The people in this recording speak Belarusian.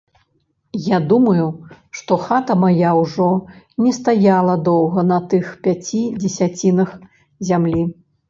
Я думаю, што хата мая ўжо не стаяла доўга на тых пяці дзесяцінах зямлі.